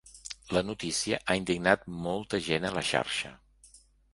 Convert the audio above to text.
La notícia ha indignat molta gent a la xarxa.